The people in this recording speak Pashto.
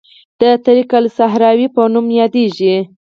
د طریق الصحراوي په نوم یادیږي.